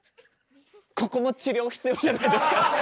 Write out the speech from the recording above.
ここも治療必要じゃないですか？